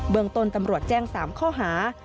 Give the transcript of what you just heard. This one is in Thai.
เมืองต้นตำรวจแจ้ง๓ข้อหา